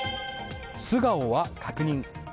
素顔は確認。